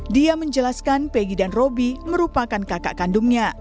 dia menjelaskan peggy dan roby merupakan kakak kandungnya